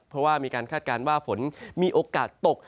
เพราะว่ามีการคาดการณ์ว่าฝนมีโอกาสตก